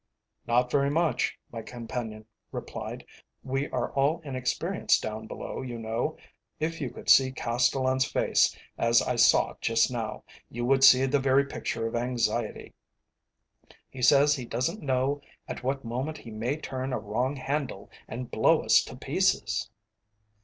"Not very much," my companion replied. "We are all inexperienced down below, you know. If you could see Castellan's face as I saw it just now, you would see the very picture of anxiety. He says he doesn't know at what moment he may turn a wrong handle and blow us to pieces."